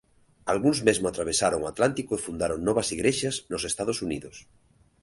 Algúns mesmo atravesaron o Atlántico e fundaron novas Igrexas nos Estados Unidos.